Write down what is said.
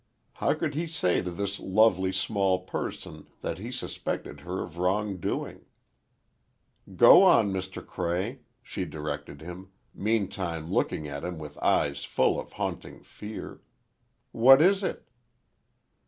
How could he say to this lovely small person that he suspected her of wrong doing? "Go on, Mr. Cray," she directed him, meantime looking at him with eyes full of a haunting fear, "what is it?"